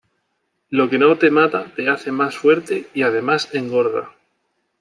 Lo que no te mata te hace más fuerte y además engorda.